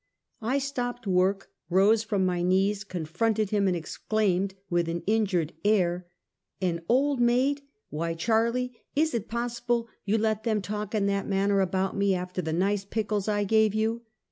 I stopped work, rose from my knees, confronted him and exclaimed, with an injured air; " An old maid! "Why Charlie! is it possible you let them talk in that manner about me, after the nice pickles I gave you?"